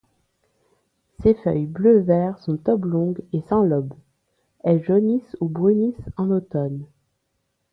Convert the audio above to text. Ses feuilles bleu-vert sont oblongues et sans lobe; elles jaunissent ou brunissent en automne.